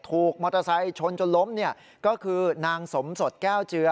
ถูกมอเตอร์ไซค์ชนจนล้มเนี่ยก็คือนางสมสดแก้วเจือ